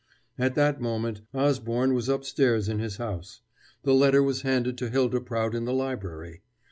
At that moment Osborne was upstairs in his house. The letter was handed to Hylda Prout in the library.